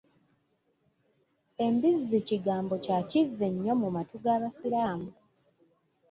Embizzi kigambo kya kivve nnyo mu matu g’Abasiraamu.